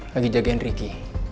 lagi jagain riki